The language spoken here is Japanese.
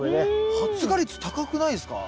発芽率高くないですか？